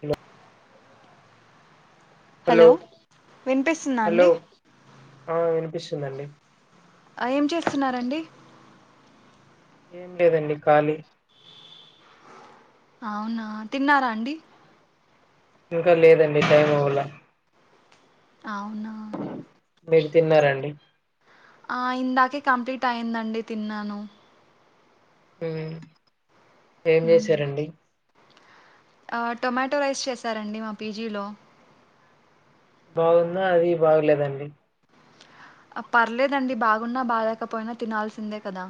Hello hello వినిపిస్తుందా అండి పిస్తుందండి ఆ ఏం చేస్తున్నారండి ఏం లేదండి కాలి అవునా తిన్నారా అండి ఇంకా లేదండి టైం అవలే అవునా మీరు తిన్నారండి ఆ ఇందాకే కంప్లీట్ అయియందండి తిన్నాను ఉ ఏం మ్మ్. చేశారండి టొమాటో రైస్ చేసారండి మా పీజీలో బాగుందా అది బాగలేదండి పర్లేదండి బాగున్నా బాలేేకపోయినా తినాల్సిందే కదా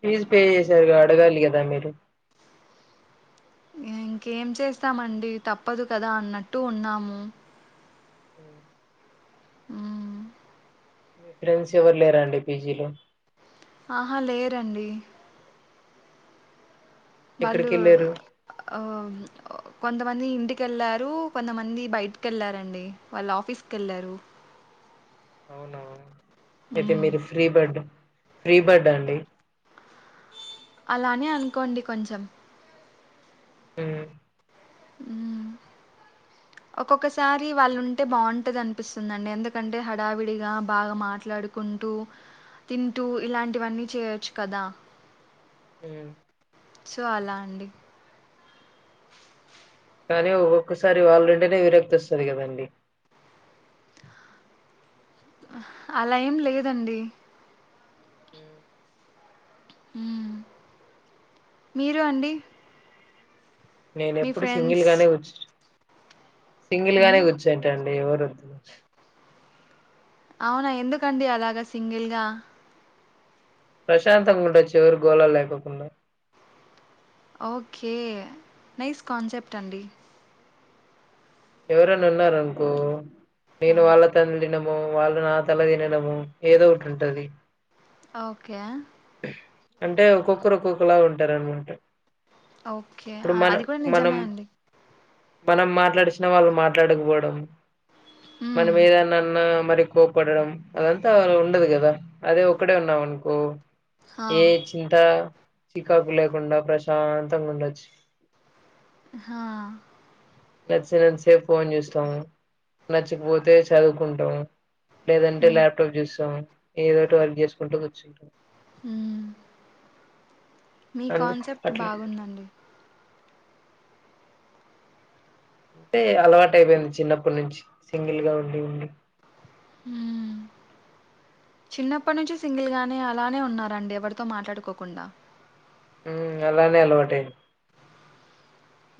ఫీజు పే చేశారు కదా అడగాలి కదా మీరు ఇంకేం చేస్తామండి తప్పదు కదా అన్నట్టు ఉన్నాము ఉ ఉ మీ ఫ్రెండ్స్ ఎవరు లేరాండి పీజీలో ఆహా లేరండి వాళ్ళు ఎక్కడికి వెళ్ళారు ఆ కొంతమంది ఇంటిక వెళ్ళారు కొంతమంది బయటకి వెళ్ళారండి వాళ్ళ ఆఫీస్కి వెళ్ళారు అవునావు ఏతే మ్మ్. మీరు ఫ్రీ బర్డ్ ఫ్రీ బర్డ్ అండి అలానే అనుకోండి కొంచెం ఉ ఉ ఒక్కొక్కసారి వాళ్ళు ఉంటే బాగుంటది అనిపిస్తుందిండి ఎందుకంటే హడావిడిగా బాగా మాట్లాడుకుంటూ తింటూ ఇలాంటివన్నీ చేయొచ్చు కదా ఊ సో అలా అండి కానీ ఒక్కొక్కసారి వాళ్ళంటేనే విరక్తి వస్తాది కదండి. అలా ఏం లేదండి [inaudible] మ్ మీరు అండి. నేన మీ ఎప్పుడు సింగిల్ ఫ్రెండ్స్? గానే కూర్చుంట సింగిల్ గానే హ్మ్. కూర్చుంటండి. ఎవరు అవునా ఎందుకండి అలాగా సింగిల్గా ప్రశాంతంగా ఉండచ్చు. ఎవరి గోళలు లేకుండా ఓకే. నైస్ కాన్సెప్ట్ అండి. ఎవరన్నా ఉన్నారనుకో ఆ! నేను వాళ్ళతోనేం తినను. వాళ్ళు నా తల తినడము ఏదో ఒటి ఉంటది ఓకే అంటే ఒక్కొక్కరు ఒక్కొకలా ఉంటారనమాట ఓకే ఇప్పుడు మనం అది కూడా మనం నిజమే అండి మనం మాట్లాడేస్ నా వాళ్ళు మాట్లాడకపోవడం హ్మ్. మనమెదనా అన్న మరి కోపడడం అదంతా ఉండదు కదా అదే ఒక్కడే ఉన్నాం అనుకో ఆ! ఏ చింత చికాకు లేకుండా ప్రశాంతంగా వుండొచ్చు హా [unintelligible] నేనెంత సేప్ ఫోన్ చేస్తాం నచ్చకపోతే చదువుకుంటాం లేదంటే హ్మ్. ల్యాప్టాప్ చూస్తాం ఏదో ఒటిఅర్క్ చేసుకుంటూ కూర్చ్చు ఉమ్ మీ అందుకు కాన్సెప్ట్ అట్లా బాగుందండి అంటే అలవాటు అయిపోయింది చిన్నప్పటినుంచి సింగిల్ గా ఉండి ఉండి హు చిన్నప్పటి నుంచి సింగిల్ గానే అలానే ఉన్నారండి ఎవరితో మాట్లాడుకోకుండా హ్మ్ అలానే అలవాట్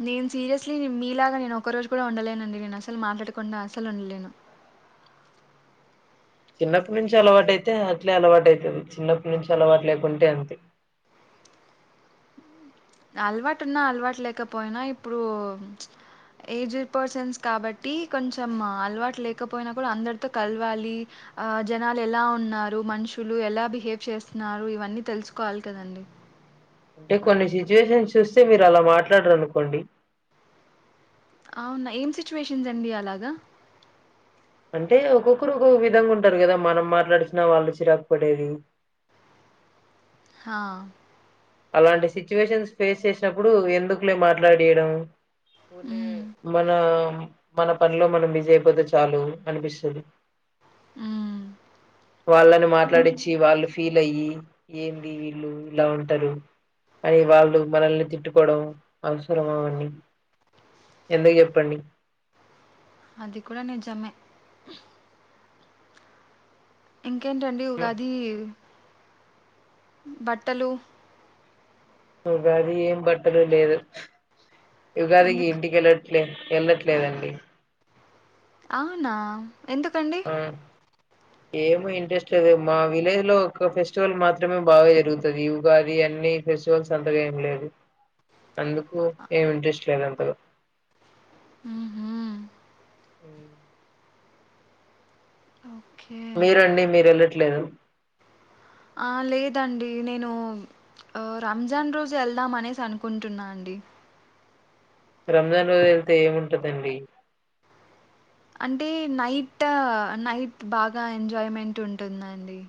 నేను సీరియస్లీ మీలాగా నేను ఒక్క రోజు కూడా ఉండలేనండి నేను అసలు మాట్లాడకుండా అసలు ఉండలేను చిన్నప్పటి నుంచి అలవాటయితే అట్లే అలవాట అవుతుంది చిన్నప్పటి నుంచి అలవాటు లేకుంటే అంతే అలవాటు ఉన్నా అలవాటు లేకపోయినా ఇప్పుడు చ్ ఏజ్డ్ పర్సన్స్ కాబట్టి కొంచెం అలవాటు లేకపోయినా కూడా అందరితో కలవాలి జనాలు ఎలా ఉన్నారు మనుషులు ఎలా బిహేవ్ చేస్తున్నారు ఇవన్నీ తెలుసుకోవాలి కదండి అంటే కొన్ని సిచ్యువేషన్స్ చూస్తే మీరు అలా మాట్లాడరు అనుకోండి అవునా ఏం సిచ్యువేషన్స్ అండి అలాగా అంటే ఒక్కొక్కరు ఒక్కొక్క విధంగా ఉంటారు కదా మనం మాట్లాడిచిన వాళ్ళు చిరాకు పడేది హా అలాంటి సిచ్యువేషన్స్ ఫేస్ చేసినప్పుడు ఎందుకులే మాట్లాడియడం ఉన్న మ్మ్, మన మన పనిలో మనం బిజీ అయిపోతాం అయిపోతే చాలు అనిపిస్తుంది ఉ వాళ్ళని మాట్లాడిచ్చి వాళ్ళు ఫీల్ అయ్యి ఏంది వీళ్ళు ఇలా ఉంటారు అని వాళ్ళు మనల్ని తిట్టుకోడం అవసరమా అండి ఎందుకు చెప్పండి అది కూడ నిజమే ఇంకేంటండి ఉగాది బట్టలు ఉగాది ఏం బట్టలు లేదు ఉగాదికి ఎందుకు ఇంటికి వెళ్లడం లేదు వెళ్ళట్లేదండి అవునా ఎందుకండి ఆ ఏమో ఇంట్రెస్ట్ లేదు మా విలేజ్ లో ఒక ఫెస్టివల్ మాత్రమే బాగా జరుగుతది ఉగాది అన్ని ఫెస్టివల్స్ అంతగా ఏం లేదు అందుకు ఏమి ఇంట్రెస్ట్ లేదు అసలు ఉ హు ఉ ఓకే మీరండి మీరు వెళ్లట్లేదా లేదండి ఆ లేదండి నేను రంజాన్ రోజు వెళ్దాము అనేసి అనుకుంటున్నా అండి రంజాన్ రోజు ఎళ్తే ఏముంటందండి అంటే నైట్ నైట్ బాగా ఎంజాయ్మెంట్ ఉంటుందండి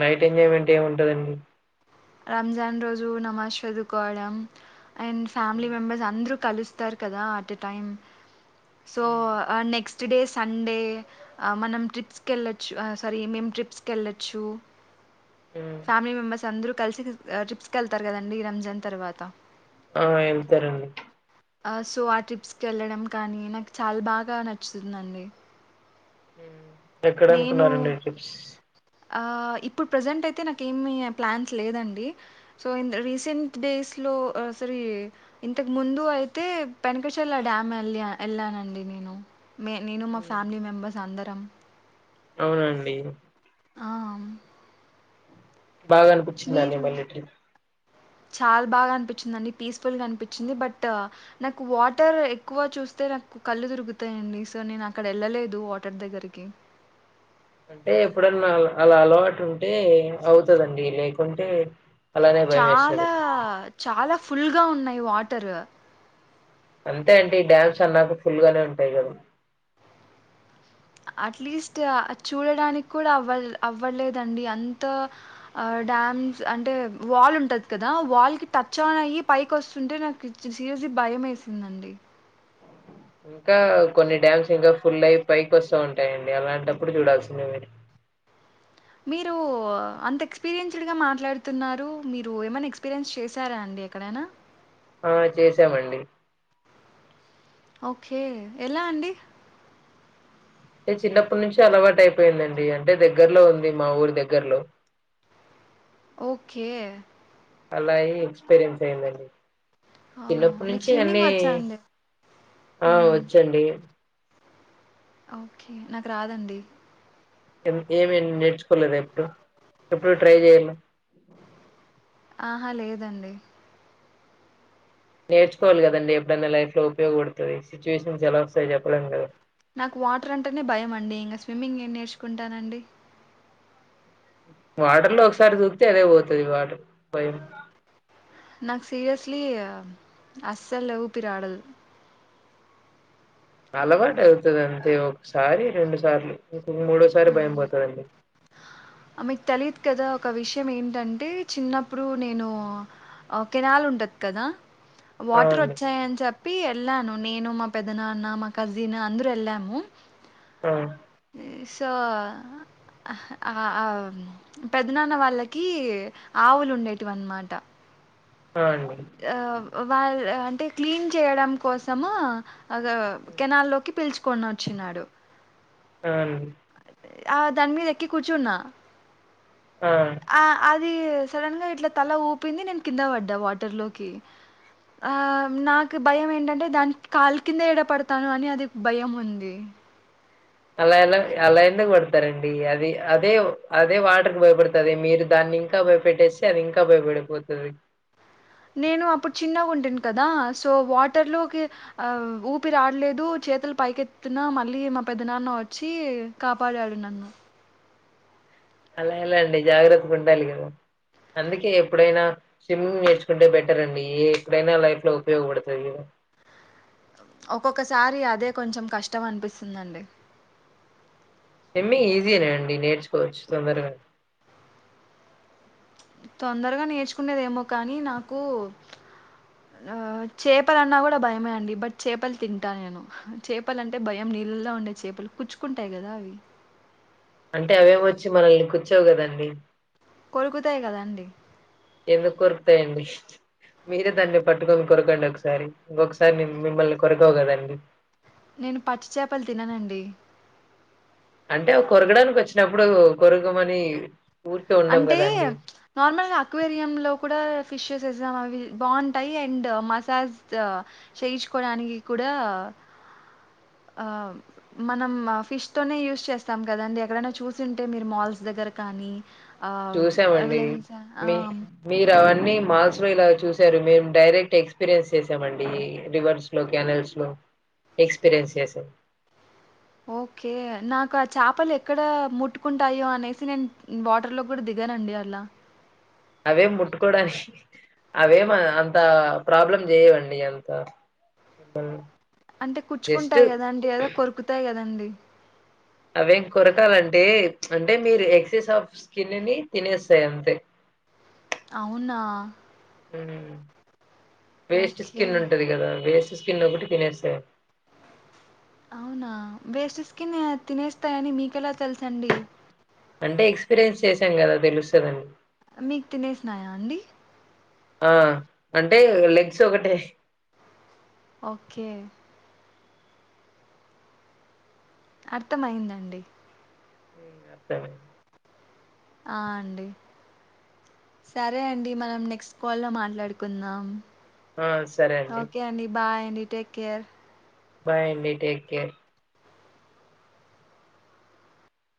నైట్ ఎంజాయ్మెంట్ ఏం ఉంటదండి రంజాన్ రోజు నమాజ్ చదుకోవడం అండ్ ఫ్యామిలీ ఉమ్, మెంబర్స్ అందరూ కలుస్తారు కదా at a time so um, ఆ నెక్స్ట్ స్టడే సండే మనం ట్రిప్స్ కెళ్ళొచ్చు ఆ సారీ మేము ట్రిప్స్ కెళ్ళొచ్చు ఉమ్. ఫ్యామిలీ మెంబర్స్ అందరు కలిసి ట్రిప్స్ కెళ్తారు కదండి రంజాన్ తర్వాత ఆ ఎళ్తారండి సో ఆ ట్రిప్స్కి కెళ్ళడం కానీ నాకు చాలా బాగా నచ్చుతుందండి హ్మ ఎక్కడ నేను అనుకున్నారండి ట్రిప్స్ ఆ ఇప్పుడు ప్రజెంట్ అయితే నాకు ఏమీ ప్లాన్స్ లేదండి సో రీసెంట్ డేస్లో ఆ సారీ ఇంతకు ముందు అయితే పెనకషర్ల డ్యామ్ వెళ్ వేళ్ళానండి నేను మే నేను మా ఉమ్, ఫ్యామిలీ మెంబర్స్ సందరం అవునండి ఆ, బాగా అనిపిచ్చిందా అండి మీరు మళ్ళెట్రీ చాలా బాగా అనిపించింది అండి పీస్ ఫుల్ గా అనిపించింది బట్ నాకు వాటర్ ఎక్కువ చూస్తే నాకు కళ్ళు తిరుగుతాయండి సో నేను అక్కడ వెళ్ళలేదు వాటర్ దగ్గరికి అంటే ఎప్పుడన్నా అలా అలవాటు ఉంటే అవుతా దండి లేకుంటే అలానే భయం చాలా వేస్తది చాలా ఫుల్గా ఉన్నాయి వాటర్ అంతే అండి ఈ డ్యామ్స్ అన్నాకు ఫుల్గానే ఉంటాయి కదా అట్లీస్ట్ చూడడానికి కూడా అవల్ అవ్వలేదండి అంతా డ్యామ్స్ అంటే వాల్ ఉంటాది కదా వాల్ కి టచ్ ఆన్ అయి పైకి వస్తుంటే నాకు సీరియస్లీ భయం వేసిందండి ఇంకా కొన్ని డ్యామ్స్ ఇంకా ఫుల్ అయి పైకి వస్తా ఉంటాయండి అలాంటప్పుడు చూడాల్సింది మీరు మీరు అంత ఎక్స్పీరియన్స్డ్గా మాట్లాడుతున్నారు మీరు ఏమైనా ఎక్స్పీరియన్స్ చేశారా అండి ఎక్కడైనా ఆ చేసామండి ఓకే ఎలా అండి అంటే చిన్నప్పటి నుంచి అలవాటు అయిపోయిందండి అంటే దగ్గర్లో ఉంది మా ఊరి దగ్గర్లో ఓకే అలా యే ఎక్స్పీరియన్స్ అయ్యిందండి ఆ! చిన్నప్పటి మీకు నుంచి స్విమ్మింగ్ అన్నీ వచ్చా అండి? ఆ హ్మ్. వచ్చండి ఓకే నాకు రాదండి ఏమండీ నేర్చుకోలేద ఎప్పుడు ఎప్పుడు ట్రై చేయాల ఆహా లేదండి నేర్చుకోవాలి కదండి ఎప్పుడైనా లైఫ్ లో ఉపయోగపడుతుంది సిట్యువేషన్ ఎలా వస్తాయి చెప్పడానికి కదా నాకు వాటర్ అంటేనే భయం అండి ఇంకా స్విమ్మింగ్ ఏం నేర్చుకుంటానండి వాటర్ లో ఒకసారి దూకితే అదే పోతాది వాటర్ భయం నాకు సీరియస్లీ అస్సలు ఊపిర ఆడదు అలవాటు అవుతుంది అంతే ఒకసారి రెండు సార్లు మూడోసారి భయం పోతాదండి మీకు తెలియదు కదా ఒక విషయం ఏంటంటే చిన్నప్పుడు నేను కెనాల్ ఉంటది కదా ఆ వాటర్ అండి వచ్చాయని చెప్పి వెళ్ళాను నేను మా పెద్ద నాన్న మా కజిన్ అందరు వెళ్ళాము ఆ సో ఆ పెదనాన్న వాళ్ళకి ఆవులు ఉండేటివి అన్నమాట ఆహా అండి వాళ్ళ అంటే క్లీన్ చేయడం కోసము అదే కెనాల్ లోకి పిలుచుకొని వచ్చినాడు [inaudible] ఆ దాని మీద ఎక్కి కూర్చొన్నా ఆ అది సడన్ గా ఇట్లా తల ఊపింది నేను కింద పడ్డా వాటర్ లోకి ఆ నాకు భయం ఏంటంటే దానికి కాలు కింద ఏడ పడతాను అని అది భయం ఉంది అలా ఎలా అలా ఎందుకు పడతారండి అది అదే అదే వాటర్ కి భయపడుతాది మీరు దాన్ని ఇంకా భయపెట్టేస్తే అది ఇంకా భయపడిపోతుంది నేను అప్పుడు చిన్నగా ఉంటాను కదా సో వాటర్లోకి ఊపిరి ఆడలేదు చేతులు పైకెత్తున మళ్ళీ మా పెద్ద నాన్న వచ్చి కాపాడాడు నన్ను అలా ఎలా అండి జాగ్రత్తగా ఉండాలి కదా అందుకే ఎప్పుడైనా స్విమ్మింగ్ నేర్చుకుంటే బెటర్ అండి ఏ ఎప్పుడైనా లైఫ్ లో ఉపయోగపడుతుంది కదా ఒక్కొక్కసారి అదే కొంచెం కష్టం అనిపిస్తుందండి స్విమ్ ఈజీనే అండి నేర్చుకోవచ్చు తొందరగానే తొందరగా నేర్చుకునేేదేమో కానీ నాకు ఆ చేపలన్నా కూడా భయమే అండి బట్ చేపలు తింటాను నేను చేపలు అంటే భయం నీళ్ళల్లో ఉండే చేపలు గుచ్చుకుంటాయి కదా అవి అంటే అవే వచ్చి మనల్ని గుచ్చవు కదండి కొరుకుతాయి కదాండి ఎందుకు కొరుకుతాయండి మీరే దాన్ని పట్టుకొని కొరకండి ఒకసారి ఇంకొకసారి నే మిమ్మల్ని కొరకవు కదండి నేను పచ్చి చే అంటే కొరకడానికి వచ్చినప్పుడు కొరకమని ఊరికే ఉండం అంటే గదండీ! నార్మల్ గా ఆక్వేరియంలో లో కూడా ఫిష్ నిజం అవి బాగుంటాయి అండ్ మసాజ్ చేయించుకోడానికి కూడా ఆ మనం ఫిష్ తోనే యూస్ చేస్తాం కదాండి ఎక్కడైనా చూసింటే మీరు మాల్స్ దగ్గర కానీ ఆహ్, చూసామండి రిలయన్స్ ఆ! మీ మీరు అవన్నీ మాల్స్ లో ఇలా చూసారు మేము డైరెక్ట్ ఎక్స్పీరియన్స్ చేసామండి రివర్స్ లో కెనాల్స్ లో లో ఎక్స్పీరియన్స్ చేసాం ఓకే నాకు ఆ చేపలు ఎక్కడ ముట్టుకుంటాయో అనేసి నేను వాటర్ లో కూడా దిగనండి అలా అవేం ముట్టుకోడానికి అవేం అంత ప్రాబ్లం చేయవండి అంత మిమ్మల్ని అంటే జస్ట్ కుచ్చుకుంటాయి కదా అండి అదే కొరుకుతాయి కదండి అవేం కొరకాలంటే అంటే మీరు ఎక్సెస్ ఆఫీస్ కి వెళ్లండి తినేస్తాయి అంతే అవునా ఉహు వేస్ట్ ఓకే. స్కిన్ ఉంటది కదా వేస్ట్ స్కిన్ ఒకటి తినేస్తాయి అ అవునా వేస్ట్ స్కిన్ తినేస్తాయని మీకెలా తెలుసండి అంటే ఎక్స్పీరియన్స్ చేసాం కదా తెలుస్తదండి మీకు తినేసినాయా అండి ఆ అంటే లెగ్స్ ఒకటే ఓకే అర్థంమయిందండి అతనే ఆ అండి సరే అండి మనం నెక్స్ట్ కాల్ లో మాట్లాడుకుందాం ఆ సరే ఓకే అండి బాయ్ అండి టేక్ కేర్ బాయ్ అండి టేక్ కేర్